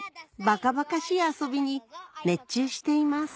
ばかばかしい遊びに熱中しています